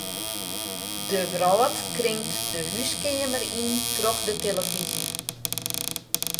De wrâld kringt de húskeamer yn troch de telefyzje.